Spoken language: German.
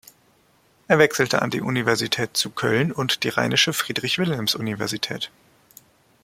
Er wechselte an die Universität zu Köln und die Rheinische Friedrich-Wilhelms-Universität.